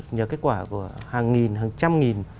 nhờ kết quả của hàng nghìn hàng trăm nghìn